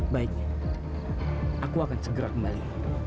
baiknya aku akan segera kembali